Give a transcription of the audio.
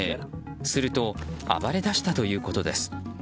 すると暴れだしたということです。